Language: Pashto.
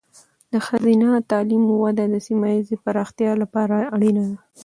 د ښځینه تعلیم وده د سیمه ایزې پرمختیا لپاره اړینه ده.